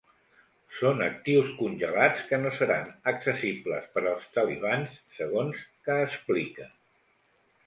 Són actius congelats que no seran accessibles per als talibans, segons que explica.